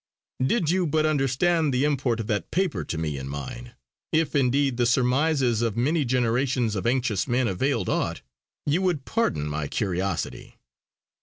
Did you but understand the import of that paper to me and mine if indeed the surmises of many generations of anxious men availed aught you would pardon my curiosity.